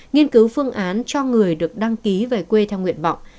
nghiên cứu phương án cho người được đăng ký về quê theo nguyện vọng